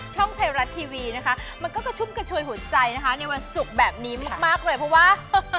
ช่องไทยรัฐทีวีนะคะมันก็จะชุ่มกระชวยหัวใจนะคะในวันศุกร์แบบนี้มากเลยเพราะว่า